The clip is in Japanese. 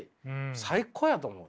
最高やと思う。